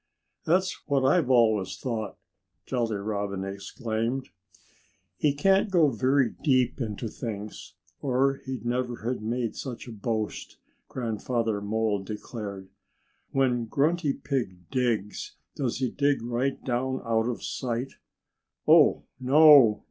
"That's what I've always thought!" Jolly Robin exclaimed. "He can't go very deep into things, or he'd never have made such a boast," Grandfather Mole declared. "When Grunty Pig digs, does he dig right down out of sight?" "Oh, no!